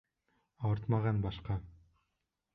Ауыртмаған башҡа...